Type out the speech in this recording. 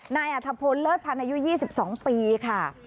นายอธพลเลิศภาณายุยี่สิบสองปีค่ะ